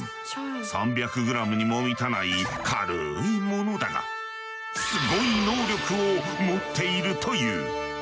３００グラムにも満たない軽いものだがスゴい能力を持っているという。